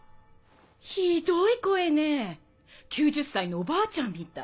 ひどい声ねぇ９０歳のおばあちゃんみたい。